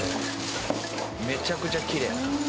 めちゃくちゃきれい！